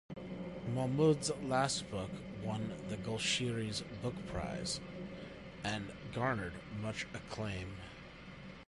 Mahmoud's last book won the "golshiri's book prize" and garnered much acclaim.